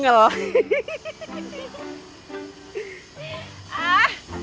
emangnya gak boleh